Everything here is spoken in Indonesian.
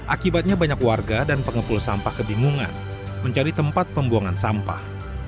akibatnya banyak warga dan pengepul sampah kebingungan mencari tempat pembuangan sampah